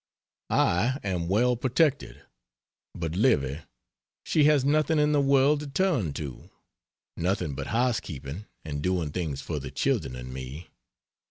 I am well protected; but Livy! She has nothing in the world to turn to; nothing but housekeeping, and doing things for the children and me.